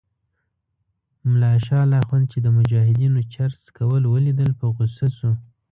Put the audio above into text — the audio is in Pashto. ملا شال اخند چې د مجاهدینو چرس څکول ولیدل په غوسه شو.